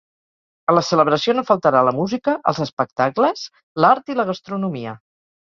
A la celebració no faltarà la música, els espectacles, l’art i la gastronomia.